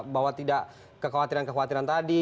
bahwa tidak kekhawatiran kekhawatiran tadi